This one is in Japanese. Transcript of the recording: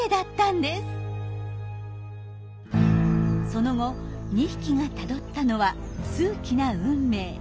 その後２匹がたどったのは数奇な運命。